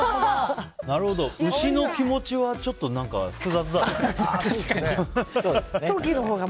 牛の気持ちはちょっと複雑だね。